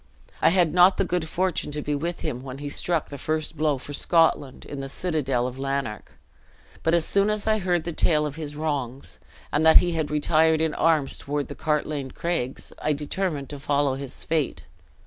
I had not the good fortune to be with him, when he struck the first blow for Scotland in the citadel of Lanark; but as soon as I heard the tale of his wrongs, and that he had retired in arms toward the Cartlane Craigs, I determined to follow his fate.